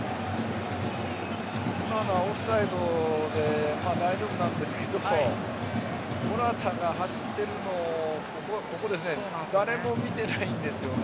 今のオフサイドで大丈夫なんですけどモラタが走っているのをここですね。